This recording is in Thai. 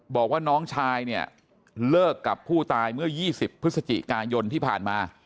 บอกว่าน้องชายเนี่ยเลิกกับผู้ตายเมื่อ๒๐พฤศจิกายนที่ผ่านมา